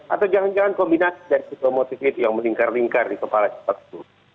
atau jangan jangan kombinasi dari motif itu yang meningkar lingkar di kepala jepang